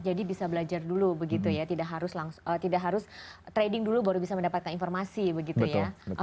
jadi bisa belajar dulu begitu ya tidak harus trading dulu baru bisa mendapatkan informasi begitu ya